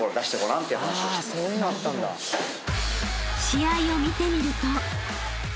［試合を見てみると］